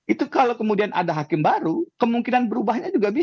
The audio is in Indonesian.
itu kalau kemudian ada hakim baru kemungkinan berubahnya juga bisa